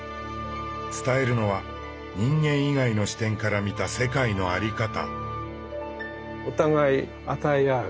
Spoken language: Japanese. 伝えるのは人間以外の視点から見た世界の在り方。